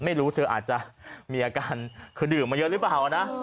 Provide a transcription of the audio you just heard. ไม่รู้เธออาจจะมีอาการดื่มมาเยอะหรือเปล่านะ